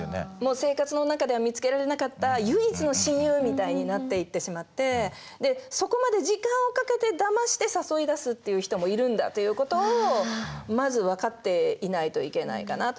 生活の中では見つけられなかった唯一の親友みたいになっていってしまってでそこまで時間をかけてだまして誘い出すっていう人もいるんだということをまずわかっていないといけないかなと。